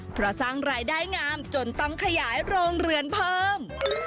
เพราะสร้างรายได้งามจนต้องขยายโรงเรือนเพิ่ม